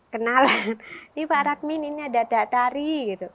kenalan ini pak radmin ini ada tari